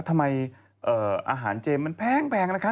ทำไมอาหารเจมันแพงนะคะ